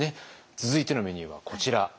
続いてのメニューはこちら。